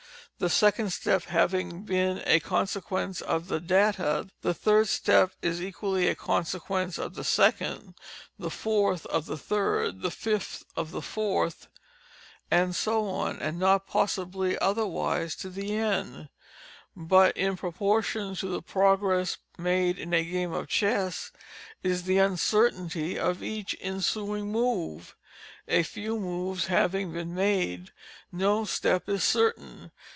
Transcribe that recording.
The second step having been a consequence of the _data, _the third step is equally a consequence of the second, the fourth of the third, the fifth of the fourth, and so on, _and not possibly otherwise, _to the end. But in proportion to the progress made in a game of chess, is the _uncertainty _of each ensuing move. A few moves having been made, _no _step is certain.